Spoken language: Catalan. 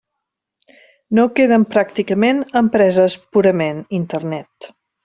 No queden pràcticament empreses purament Internet.